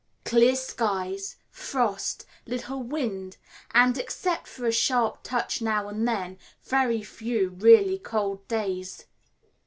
Clear skies, frost, little wind, and, except for a sharp touch now and then, very few really cold days.